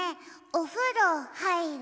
おふろはいる？